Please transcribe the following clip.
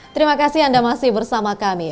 terima kasih anda masih bersama kami